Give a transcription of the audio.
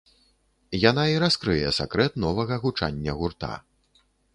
Яна і раскрые сакрэт новага гучання гурта.